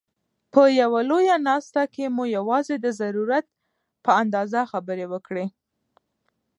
په یوه لویه ناست کښي مو یوازي د ضرورت په اندازه خبري وکړئ!